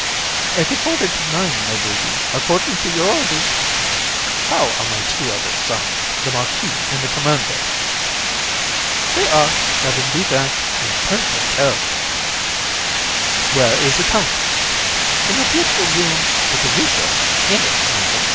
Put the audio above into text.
BOB. At a quarter to nine, my lady, according to your orders. COUN. How are my two other sons, the Marquis and the Commander? BOB. They are, Heaven be thanked, in perfect health. COUN. Where is the Count? BOB. In your beautiful room, with a recess in it, Madam.